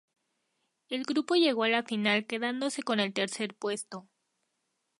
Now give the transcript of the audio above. El grupo llegó a la final quedándose con el tercer puesto.